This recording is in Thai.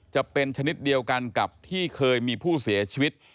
จะเป็นชนิดเดียวกันกับที่เคยมีผู้เสียชีวิต